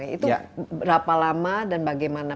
itu berapa lama dan bagaimana